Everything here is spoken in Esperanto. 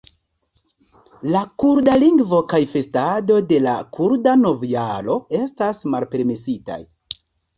La kurda lingvo kaj festado de la kurda novjaro estas malpermesitaj.